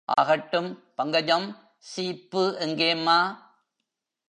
ஆகட்டும்... பங்கஜம் சீப்பு எங்கேம்மா?